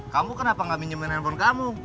kamu kenapa gak minyamin hp kamu